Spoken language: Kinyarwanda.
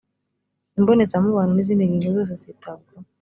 imbonezamubano nizindi ngingo zose zitabwaho.